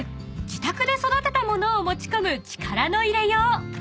自宅で育てた物を持ち込む力の入れよう］